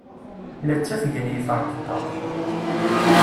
La ttafgen yiferṭeṭṭa.